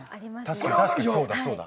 確かにそうだそうだ。